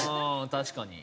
確かに。